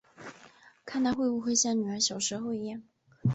看她会不会像女儿小时候一样